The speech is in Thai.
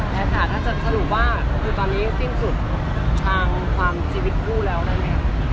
ค่ะถ้าจะสรุปว่าคือตอนนี้สิ้นสุดทางความชีวิตคู่แล้วได้ไหมครับ